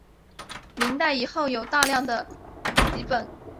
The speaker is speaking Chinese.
明代以后有大量的辑本。